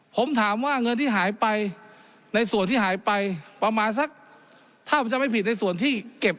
ผมถามว่าเงินที่หายไปในส่วนที่หายไปประมาณสักถ้าผมจะไม่ผิดในส่วนที่เก็บ